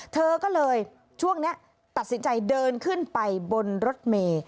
เธอก็เลยช่วงนี้ตัดสินใจเดินขึ้นไปบนรถเมย์